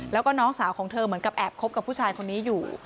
แล้วก็น้องสาวของเธอเหมือนกับแอบคบกับผู้ชายคนนี้อยู่